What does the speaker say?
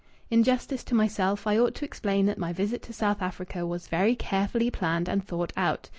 In justice to myself I ought to explain that my visit to South Africa was very carefully planned and thought out.